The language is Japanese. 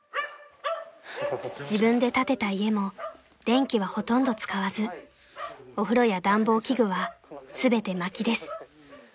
［自分で建てた家も電気はほとんど使わずお風呂や暖房器具は全てまきです］